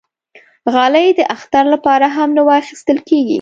غالۍ د اختر لپاره هم نوی اخېستل کېږي.